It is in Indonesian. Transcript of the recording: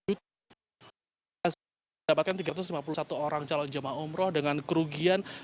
yang saya dapatkan rp tiga ratus lima puluh satu orang calon jemaah umroh dengan kerugian